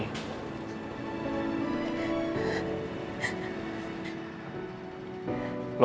lo harus percaya pak